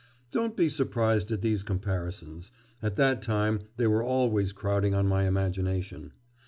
Don't be surprised at these comparisons; at that time they were always crowding on my imagination.